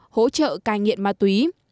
hỗ trợ cài nghiện ma túy